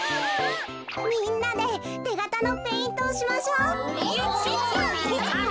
みんなでてがたのペイントをしましょう。